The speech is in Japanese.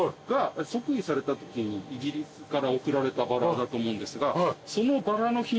即位されたときにイギリスから贈られたバラだと思うんですが。